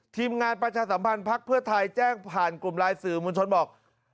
ทีมงานประชาสัมพันธ์พักเพื่อไทยแจ้งผ่านกลุ่มไลน์สื่อมวลชนบอก